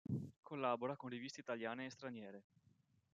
Collabora con riviste italiane e straniere.